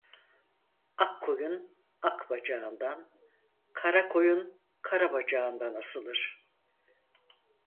Ak koyun ak bacağından, kara koyun kara bacağından asılır.